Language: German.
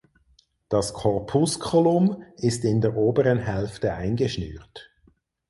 Das Corpusculum ist in der oberen Hälfte eingeschnürt.